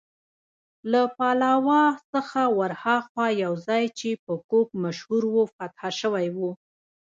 له پلاوا څخه ورهاخوا یو ځای چې په کوک مشهور و، فتح شوی و.